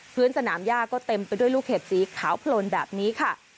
สนามย่าก็เต็มไปด้วยลูกเห็บสีขาวโพลนแบบนี้ค่ะ